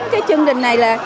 cái chương trình này là